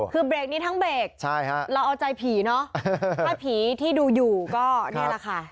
คือเบรกนี้ทั้งเบรกเราเอาใจผีเนอะถ้าผีที่ดูอยู่ก็นี่แหละค่ะ